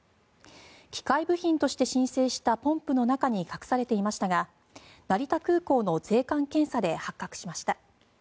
機械部品として申請したポンプの中に隠されていましたが成田空港の税関検査で発覚しました。